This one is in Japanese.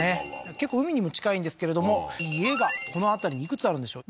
結構海にも近いんですけれども家がこの辺りにいくつあるんでしょう？